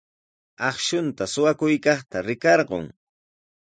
Akshunta suqakuykaqta rikarqun.